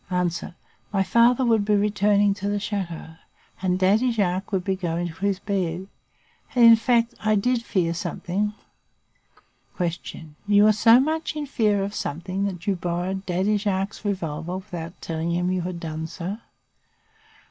"A. My father would be returning to the chateau and Daddy Jacques would be going to his bed. And, in fact, I did fear something. "Q. You were so much in fear of something that you borrowed Daddy Jacques's revolver without telling him you had done so?